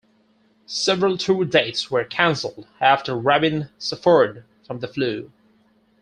Several tour dates were cancelled after Rabin suffered from the flu.